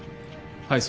はい。